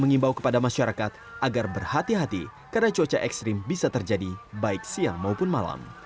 mengimbau kepada masyarakat agar berhati hati karena cuaca ekstrim bisa terjadi baik siang maupun malam